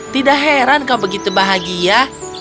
tidak heran kau begitu bahagia